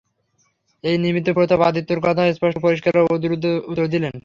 এই নিমিত্ত প্রতাপ আদিত্যের কথার স্পষ্ট, পরিষ্কার ও দ্রুত উত্তর দিলেন।